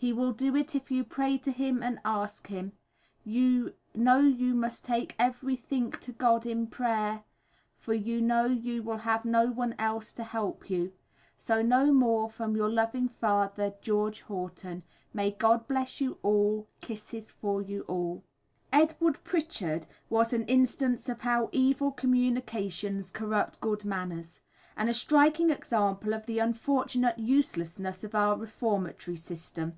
He will do it if you pray to him and ask him. You no you must take every think to God in prayer for you no you will have no one els to help you now. so no more from your loving father, GEORGE HORTON. May God bless you all. Kisses for you all. [Illustration: Edward Pritchard.] Edward Pritchard was an instance of how "evil communications corrupt good manners," and a striking example of the unfortunate uselessness of our reformatory system.